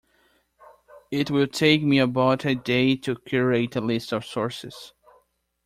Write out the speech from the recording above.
It will take me about a day to curate a list of sources.